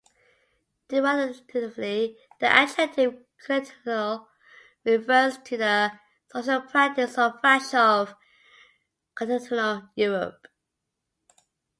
Derivatively, the adjective "continental" refers to the social practices or fashion of continental Europe.